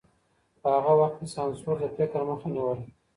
په هغه وخت کي سانسور د فکر مخه نيوله.